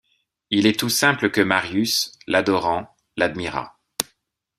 Il était tout simple que Marius, l’adorant, l’admirât.